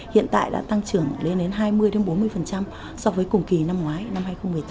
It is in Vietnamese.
hiện tại đã tăng trưởng lên đến hai mươi bốn mươi so với cùng kỳ năm ngoái năm hai nghìn một mươi tám